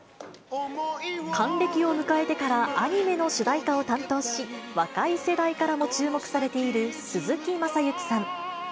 還暦を迎えてからアニメの主題歌を担当し、若い世代からも注目されている鈴木雅之さん。